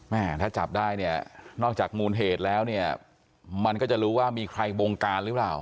แม่ถ้าจับได้เนี่ยนอกจากมูลเหตุแล้วเนี่ยมันก็จะรู้ว่ามีใครบงการหรือเปล่า